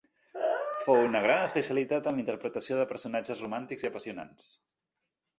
Fou un gran especialista en la interpretació de personatges romàntics i apassionats.